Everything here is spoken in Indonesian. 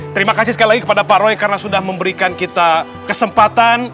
terima kasih sekali lagi kepada pak roy karena sudah memberikan kita kesempatan